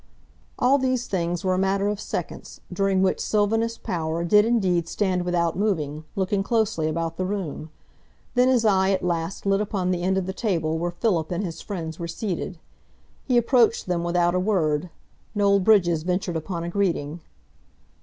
All these things were a matter of seconds, during which Sylvanus Power did indeed stand without moving, looking closely about the room. Then his eye at last lit upon the end of the table where Philip and his friends were seated. He approached them without a word. Noel Bridges ventured upon a greeting.